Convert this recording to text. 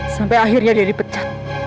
sampai akhirnya dia dipecat